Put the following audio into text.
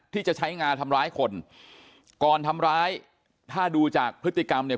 ที่จะใช้งาทำร้ายคนก่อนทำร้ายถ้าดูจากพฤติกรรมเนี่ย